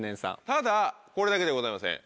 ただこれだけではございません。